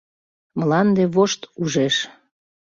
Мланде вошт ужеш.